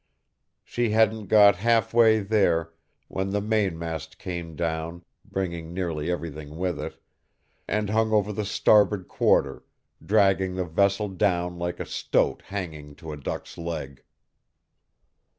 She hadn't got halfway there when the mainmast came down (bringing nearly everything with it) and hung over the starboard quarter, dragging the vessel down like a stoat hanging to a duck's leg.